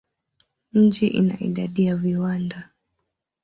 Mji ina idadi ya viwanda.